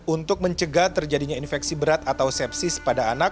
untuk mencegah terjadinya infeksi berat atau sepsis pada anak